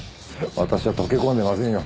私は溶け込んでませんよ。